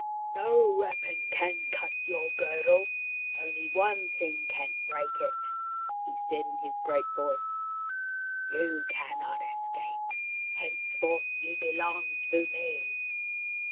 " No weapon can cut your girdle ; only one thing can break it," he said in his great voice. " You cannot escape. Henceforth you belong to me."